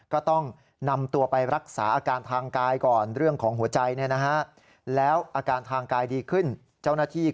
ก็ต้องนำตัวไปรักษาอาการทางกายก่อนเรื่องของหัวใจ